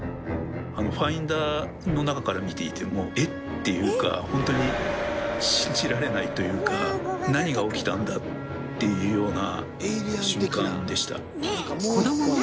ファインダーの中から見ていても「え⁉」っていうかほんとに信じられないというか何が起きたんだっていうような瞬間でした。